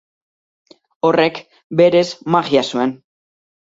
Horrek, berez, magia zuen.